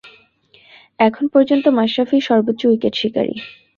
এখন পর্যন্ত মাশরাফিই সর্বোচ্চ উইকেট শিকারি।